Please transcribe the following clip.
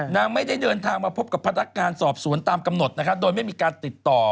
ไม่ได้เดินทางมาพบกับพนักงานสอบสวนตามกำหนดนะครับโดยไม่มีการติดต่อ